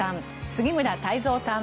杉村太蔵さん